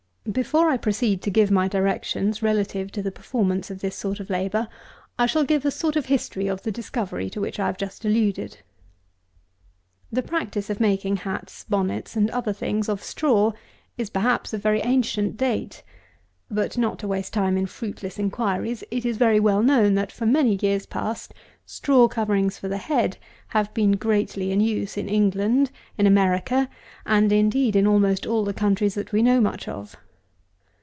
209. Before I proceed to give my directions relative to the performance of this sort of labour, I shall give a sort of history of the discovery to which I have just alluded. 210. The practice of making hats, bonnets, and other things, of straw, is perhaps of very ancient date; but not to waste time in fruitless inquiries, it is very well known that, for many years past, straw coverings for the head have been greatly in use in England, in America, and, indeed, in almost all the countries that we know much of.